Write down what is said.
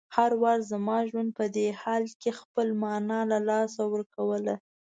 هر وار به زما ژوند په دې حال کې خپله مانا له لاسه ورکوله.